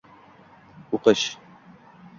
O‘qish.